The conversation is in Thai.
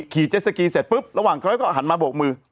เจ็สสกีเสร็จปุ๊บระหว่างเขาก็หันมาโบกมือ